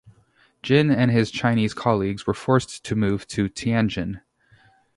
Jin and his Chinese colleagues were forced to move to Tianjin.